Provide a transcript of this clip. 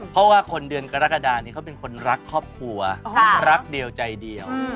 เพราะว่าคนเดือนกรกฎานี้เขาเป็นคนรักครอบครัวรักเดียวใจเดียว